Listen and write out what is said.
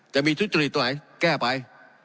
จะมีทุศจนิยมตัวไหนแก้ไป